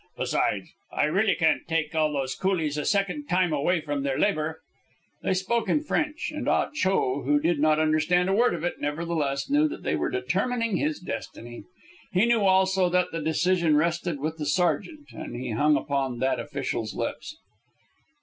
Besides, I really can't take all those coolies a second time away from their labour." They spoke in French, and Ah Cho, who did not understand a word of it, nevertheless knew that they were determining his destiny. He knew, also, that the decision rested with the sergeant, and he hung upon that official's lips.